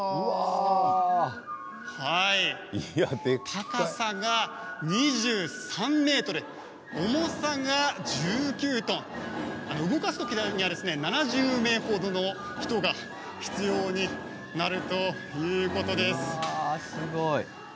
高さが２３ｍ重さが１９トン動かすときには７０名ほどの人が必要になるということです。